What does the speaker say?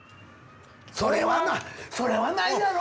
それはそれはないやろ！